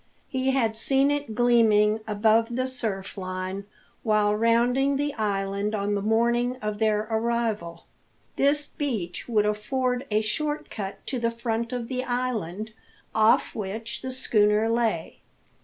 He had seen it gleaming above the surf line while rounding the island on the morning of their arrival. This beach would afford a short cut to the front of the island, off which the schooner lay.